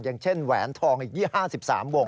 อย่างเช่นแหวนทองอีก๒๕๓วง